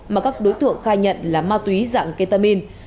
mà các đối tượng khai nhận là ma túy dạng ketamin